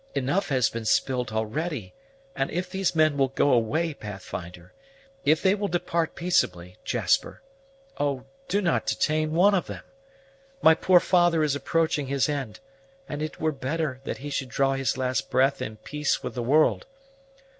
Enough has been spilt already; and if these men will go away, Pathfinder if they will depart peaceably, Jasper oh, do not detain one of them! My poor father is approaching his end, and it were better that he should draw his last breath in peace with the world.